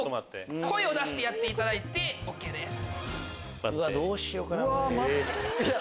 声を出してやっていただいてＯＫです。